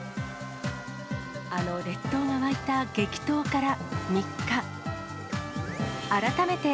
あの列島が沸いた激闘から３日。